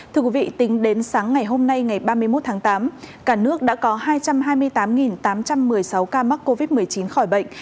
thưa quý vị tính đến sáng ngày hôm nay ngày ba mươi một tháng tám cả nước đã có hai trăm hai mươi tám tám trăm một mươi sáu ca mắc covid một mươi chín khỏi bệnh